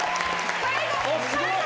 最後！